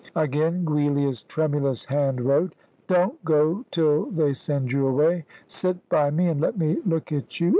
Again Giulia's tremulous hand wrote: "Don't go till they send you away. Sit by me, and let me look at you.